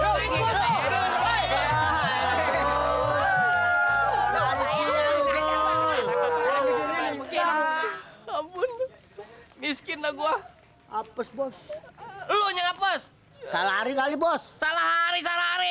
hai selalu miskin gua hapus bos lo nyangka pos salah hari kali bos salah hari salah hari